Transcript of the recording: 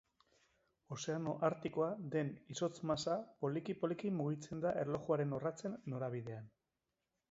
Ozeano Artikoa den izotz masa poliki-poliki mugitzen da erlojuaren orratzen norabidean.